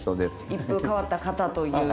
一風変わった方という。